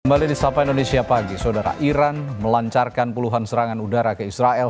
kembali disapa indonesia pagi saudara iran melancarkan puluhan serangan udara ke israel